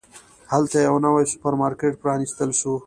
هلته یو نوی سوپرمارکېټ پرانستل شو.